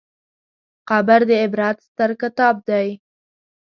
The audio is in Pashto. قبر د عبرت ستر کتاب دی.